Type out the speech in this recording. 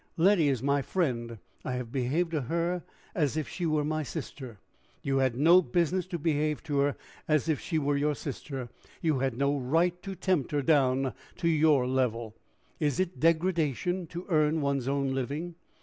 "Letty is my friend. I have behaved to her as if she were my sister." "You had no business to behave to her as if she were your sister. You had no right to tempt her down to your level." "Is it degradation to earn one's own living?"